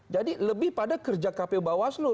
jadi lebih pada kerja kpu bawaslu